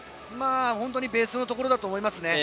本当にベースのところだと思いますね。